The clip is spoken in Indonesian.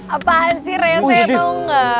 apaan sih rese tau ga